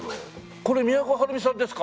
これ都はるみさんですか？